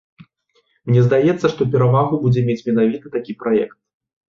Мне здаецца, што перавагу будзе мець менавіта такі праект.